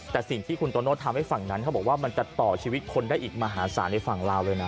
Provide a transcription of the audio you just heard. แต่สิ่งที่คุณโตโน่ทำให้ฝั่งนั้นเขาบอกว่ามันจะต่อชีวิตคนได้อีกมหาศาลในฝั่งลาวเลยนะ